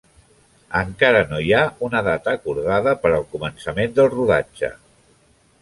Encara no hi ha una data acordada per al començament del rodatge.